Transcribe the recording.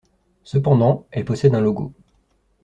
Cependant, elle possède un logo.